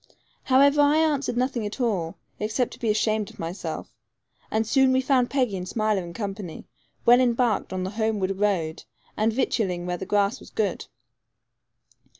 However, I answered nothing at all, except to be ashamed of myself; and soon we found Peggy and Smiler in company, well embarked on the homeward road, and victualling where the grass was good.